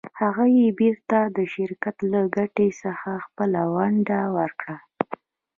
هغه یې بېرته د شرکت له ګټې څخه خپله ونډه ورکړه.